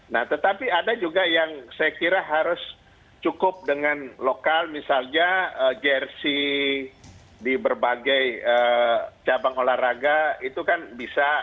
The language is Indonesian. nah tetapi ada juga yang saya kira harus cukup dengan lokal misalnya ee grc di berbagai ee cabang olahraga itu kan bisa dengan sed